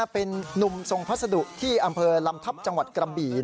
เป็นนุ่มส่งพัสดุที่อำเภอลำทัพจังหวัดกระบี่